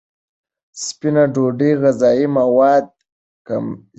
سپینه ډوډۍ غذایي مواد کم لري.